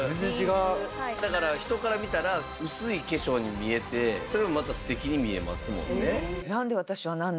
だから人から見たら薄い化粧に見えてそれがまた素敵に見えますもんね。